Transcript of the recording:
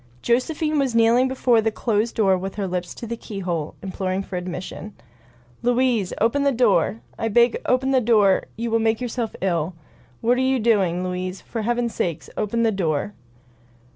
Josephine was kneeling before the closed door with her lips to the keyhole, imploring for admission. "Louise, open the door! I beg, open the door — you will make yourself ill. What are you doing, Louise? For heaven's sake open the door."